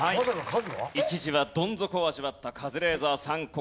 一時はどん底を味わったカズレーザーさん